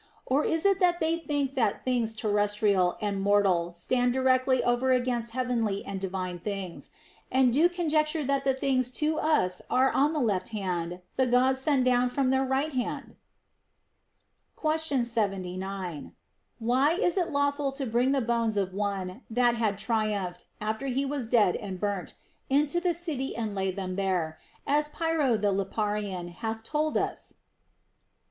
Or is it that they think that things terrestrial and mortal stand directly over against heavenly and divine things, and do conjecture that the things which to us are on the left hand the Gods send down from their right hand \ Question 79. Why was it lawful to bring the bones of one that had triumphed (after he was dead and burnt) into the city and lay them there, as Pyrrho the Liparaean hath told us